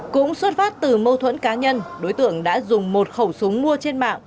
cũng xuất phát từ mâu thuẫn cá nhân đối tượng đã dùng một khẩu súng mua trên mạng